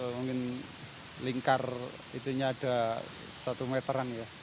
mungkin lingkar itunya ada satu meteran ya